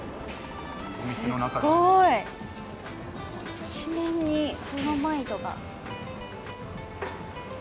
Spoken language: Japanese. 一面にブロマイドが。